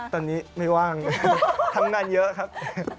ตอนนี้ไม่ว่างทำงานเยอะครับ